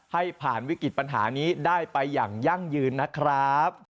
ให้ผ่านวิกฤตปัญหานี้ได้ไปอย่างยั่งยืนนะครับ